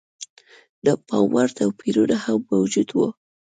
د پاموړ توپیرونه هم موجود و.